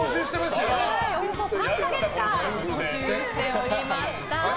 およそ３か月間募集しておりました。